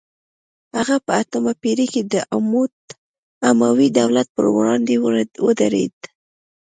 هغه په اتمه پیړۍ کې د اموي دولت پر وړاندې ودرید